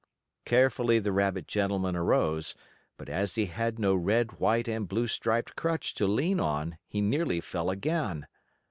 Carefully the rabbit gentleman arose, but as he had no red, white and blue striped crutch to lean on, he nearly fell again.